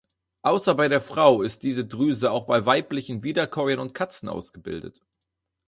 Außer bei der Frau ist diese Drüse auch bei weiblichen Wiederkäuern und Katzen ausgebildet.